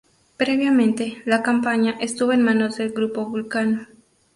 Previamente, la compañía, estuvo en manos del Grupo Vulcano.